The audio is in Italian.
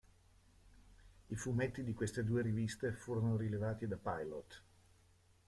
I fumetti di queste due riviste furono rilevati da "Pilote".